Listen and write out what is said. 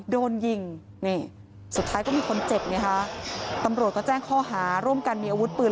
โดนยิงนี่สุดท้ายก็มีคนเจ็บไงคะตำรวจก็แจ้งข้อหาร่วมกันมีอาวุธปืน